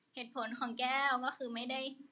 เหตุผลของแก้วก็คือไม่ได้